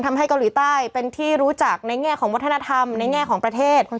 ทำให้เกาหลีใต้เป็นที่รู้จักในแง่ของวัฒนธรรมในแง่ของประเทศ